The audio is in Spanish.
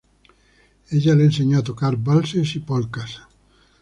Ella le enseñó a tocar valses y polcas.